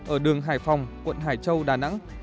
ở đường hải phòng quận hải châu đà nẵng